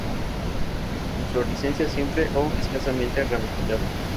Inflorescencia simple o escasamente ramificada.